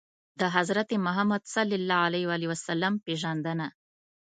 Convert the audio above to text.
د حضرت محمد ﷺ پېژندنه